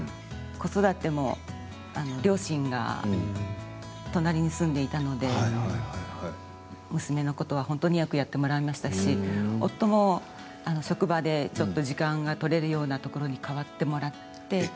子育ても両親が隣に住んでいたので娘のことは本当によくやってもらいましたし夫も職場でちょっと時間が取れるようなところに変わってもらって。